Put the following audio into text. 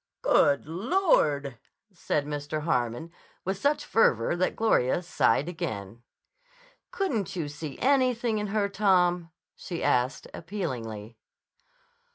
"Good Lord!" said Mr. Harmon with such fervor that Gloria sighed again. "Couldn't you see anything in her, Tom?" she asked appealingly.